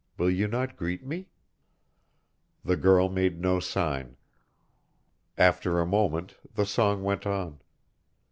Will you not greet me?" The girl made no sign. After a moment the song went on.